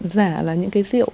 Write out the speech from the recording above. giả là những cái rượu